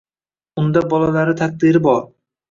Unda bolalari taqdiri bor.